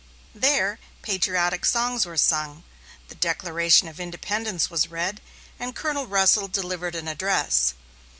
There, patriotic songs were sung, the Declaration of Independence was read, and Colonel Russell delivered an address.